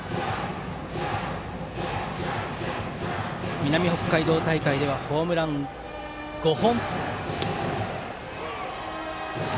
南北海道大会ではホームラン５本の熊谷。